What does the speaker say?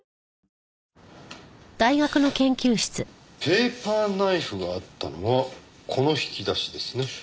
ペーパーナイフがあったのはこの引き出しですね。